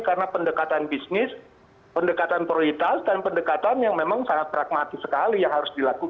karena pendekatan bisnis pendekatan prioritas dan pendekatan yang memang sangat pragmatis sekali yang harus dilakukan